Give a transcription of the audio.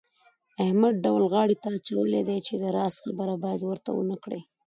احمد ډول غاړې ته اچولی دی د راز خبره باید ورته ونه کړې.